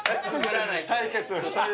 対決。